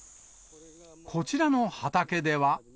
こちらの畑では。